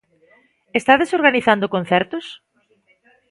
Estades organizando concertos?